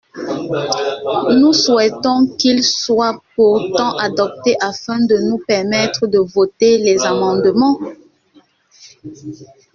Nous souhaitons qu’ils soient pourtant adoptés afin de nous permettre de voter les amendements.